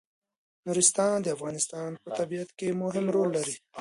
نورستان د افغانستان په طبیعت کې مهم رول لري.